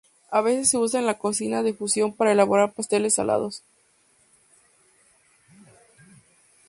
A veces se usa en la cocina de fusión para elaborar pasteles salados.